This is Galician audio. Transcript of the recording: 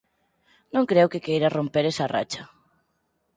Non creo que queiras romper esa racha.